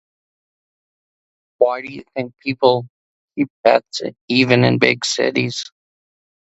Why do you think people keep pets even in big cities?